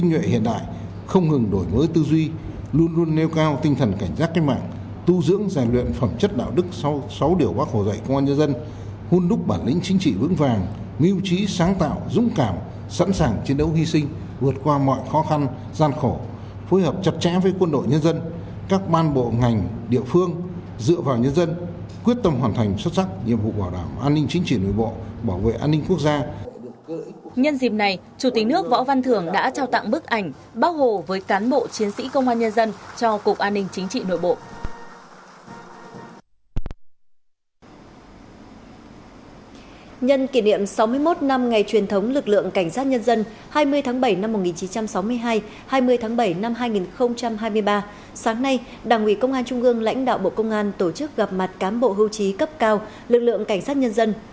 nhân kỷ niệm sáu mươi một năm ngày truyền thống lực lượng cảnh sát nhân dân hai mươi tháng bảy năm một nghìn chín trăm sáu mươi hai hai mươi tháng bảy năm hai nghìn hai mươi ba sáng nay đảng ủy công an trung gương lãnh đạo bộ công an tổ chức gặp mặt cám bộ hưu trí cấp cao lực lượng cảnh sát nhân dân